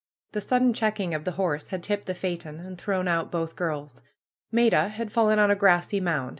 The sudden checking of the horse had tipped the phaeton and thrown out both girls. Maida had fallen on a grassy mound.